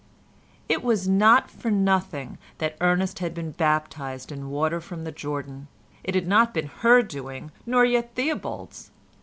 It was not for nothing that Ernest had been baptised in water from the Jordan. It had not been her doing, nor yet Theobald's.